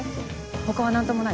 他は何ともない？